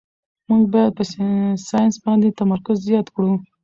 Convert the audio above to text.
موږ باید په ساینس باندې تمرکز زیات کړو